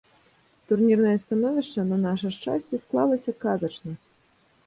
Турнірнае становішча, на наша шчасце, склалася казачна.